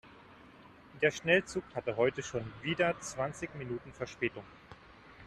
Der Schnellzug hatte heute schon wieder zwanzig Minuten Verspätung.